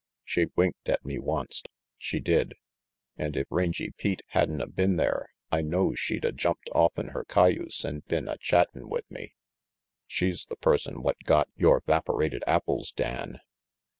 She winked at me onct, she did, an' if Rangy Pete had'n a been there I know she'd a jumped offen her cayuse an' been a chattin' with me. She's the person what got yore 'vaporated apples, Dan."